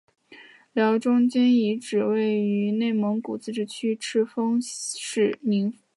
辽中京遗址位于内蒙古自治区赤峰市宁城县。